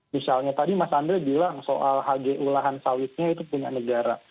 misalnya tadi mas andre bilang soal hgu lahan sawitnya itu punya negara